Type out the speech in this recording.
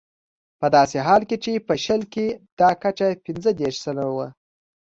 په داسې حال کې چې په شل کې دا کچه پنځه دېرش سلنه وه.